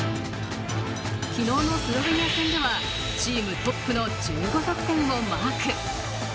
昨日のスロベニア戦ではチームトップの１５得点をマーク。